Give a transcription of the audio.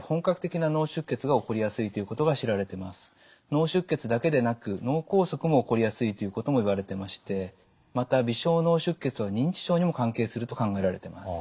脳出血だけでなく脳梗塞も起こりやすいということもいわれてましてまた微小脳出血は認知症にも関係すると考えられてます。